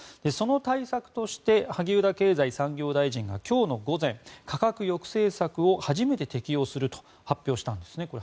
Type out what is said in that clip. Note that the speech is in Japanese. その対策として萩生田経済産業大臣が今日の午前価格抑制策を初めて適用すると発表したんですね。